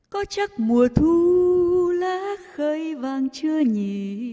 có chắc mùa thu lá khơi vàng chưa nhỉ